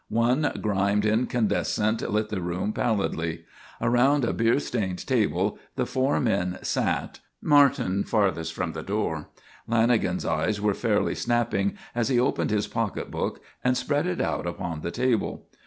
One grimed incandescent lit the room pallidly. Around a beer stained table the four men sat, Martin farthest from the door. Lanagan's eyes were fairly snapping as he opened his pocketbook and spread it out upon the table.